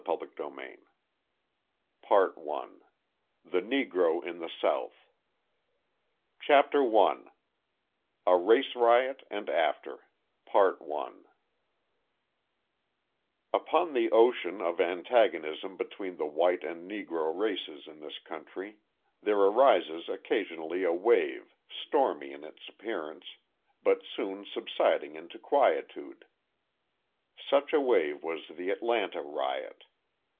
Joyner 286 PART ONE THE NEGRO IN THE SOUTH CHAPTER I A RACE RIOT, AND AFTER Upon the ocean, of antagonism between the white and Negro races in this country, there arises occasionally a wave, stormy in its appearance, but soon subsiding into quietude. Such a wave was the Atlanta riot.